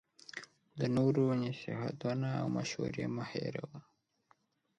د نورو نصیحتونه او مشوری مه هیروه